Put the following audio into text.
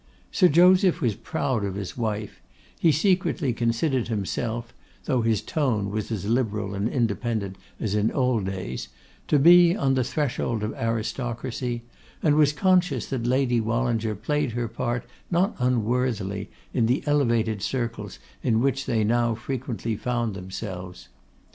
Sir Joseph was proud of his wife; he secretly considered himself, though his 'tone' was as liberal and independent as in old days, to be on the threshold of aristocracy, and was conscious that Lady Wallinger played her part not unworthily in the elevated circles in which they now frequently found themselves.